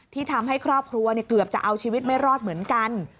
ทำให้ครอบครัวเกือบจะเอาชีวิตไม่รอดเหมือนกัน